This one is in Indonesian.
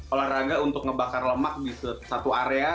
olahraga untuk ngebakar lemak di satu area